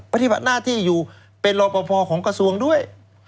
ปฏิบัติหน้าที่อยู่เป็นรอปภของกระทรวงด้วย